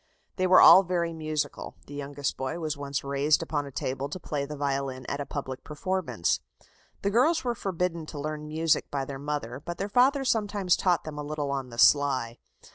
They were all very musical the youngest boy was once raised upon a table to play the violin at a public performance. The girls were forbidden to learn music by their mother, but their father sometimes taught them a little on the sly.